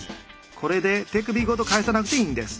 これで手首ごと返さなくていいんです。